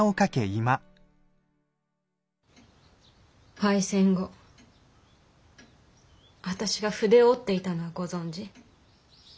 敗戦後私が筆を折っていたのはご存じ？